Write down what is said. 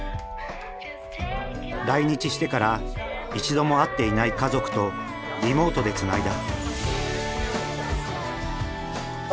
来日してから一度も会っていない家族とリモートでつないだ。